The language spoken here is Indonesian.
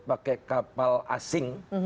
pakai kapal asing